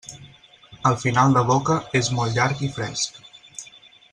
El final de boca és molt llarg i fresc.